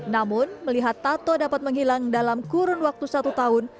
namun melihat tato dapat menghilang dalam kurun waktu satu tahun